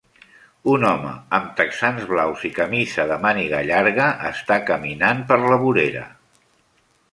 Un home amb texans blaus i camisa de màniga llarga està caminant per la vorera.